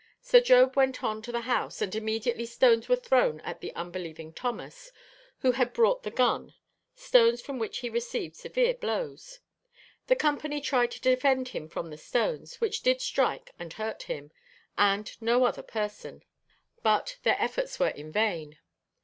So Job went on to the house, and immediately stones were thrown at the unbelieving Thomas who had brought the gun, stones from which he received severe blows. The company tried to defend him from the stones, which did strike and hurt him, and no other person; but their efforts were in vain.